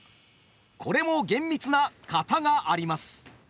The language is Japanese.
これも厳密な「型」があります。